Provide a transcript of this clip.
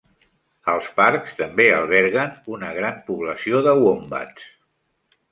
Els parcs també alberguen una gran població de wombats.